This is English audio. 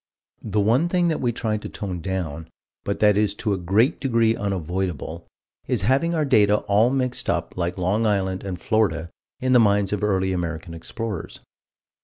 The one thing that we try to tone down but that is to a great degree unavoidable is having our data all mixed up like Long Island and Florida in the minds of early American explorers.